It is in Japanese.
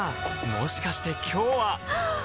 もしかして今日ははっ！